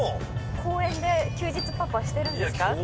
公園で休日パパしてるんですか？